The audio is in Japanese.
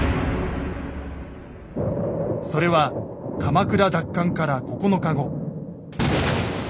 それは鎌倉奪還から９日後。